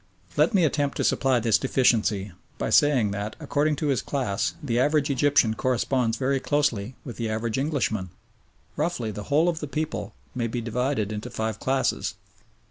Let me attempt to supply this deficiency, by saying that, according to his class, the average Egyptian corresponds very closely with the average Englishman. Roughly, the whole of the people may be divided into five classes.